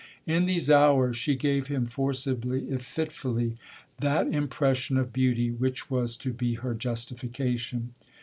In these hours she gave him forcibly if fitfully that impression of beauty which was to be her justification.